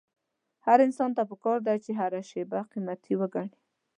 هر انسان ته پکار ده چې هره شېبه قيمتي وګڼي.